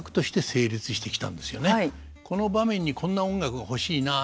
この場面にこんな音楽が欲しいなと。